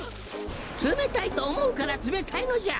つめたいとおもうからつめたいのじゃ！